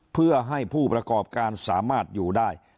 เพื่อให้ผู้ประกอบการสามารถอยู่ได้